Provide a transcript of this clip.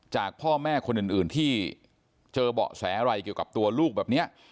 จากพ่อแม่คนอื่นที่เจอเบาะแสอะไรเกี่ยวกับตัวลูกแบบนี้